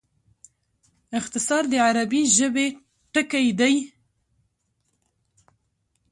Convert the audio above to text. اختصار د عربي ژبي ټکی دﺉ.